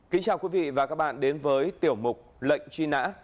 kính chào quý vị và các bạn đến với tiểu mục lệnh truy nã